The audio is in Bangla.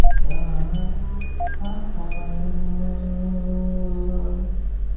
তাই বিএনপিরও উচিত খালেদা জিয়ার মুক্তির আন্দোলনের পাশাপাশি নির্বাচন প্রস্তুতি শুরু করা।